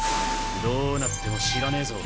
どうなっても知らねえぞ。